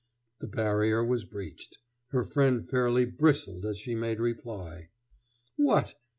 The barrier was reached. Her friend fairly bristled as she made reply: "What!